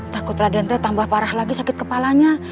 takut radente tambah parah lagi sakit kepalanya